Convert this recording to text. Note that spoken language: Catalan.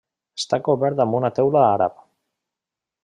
Està cobert amb teula àrab.